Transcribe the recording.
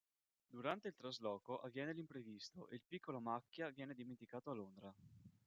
Durante il trasloco avviene l'imprevisto e il piccolo Macchia viene dimenticato a Londra.